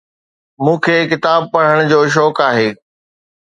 مون کي ڪتاب پڙھن جو شوق آھي.